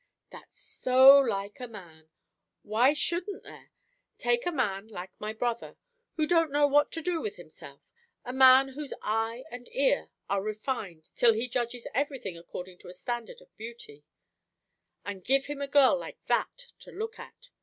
"That's so like a man! Why shouldn't there? Take a man like my brother, who don't know what to do with himself; a man whose eye and ear are refined till he judges everything according to a standard of beauty; and give him a girl like that to look at!